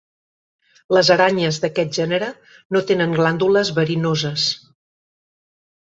Les aranyes d'aquest gènere no tenen glàndules verinoses.